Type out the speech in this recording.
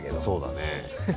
そうだね。